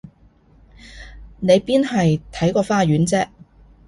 你邊係睇個花園啫？